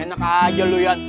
enak aja lu yan